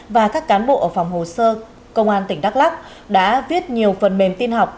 và các cán bộ ở phòng hồ sơ công an tỉnh đắk lắk đã viết nhiều phần mềm tin học